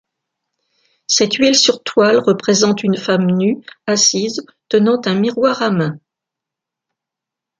Cette huile sur toile représente une femme nue assise tenant un miroir à main.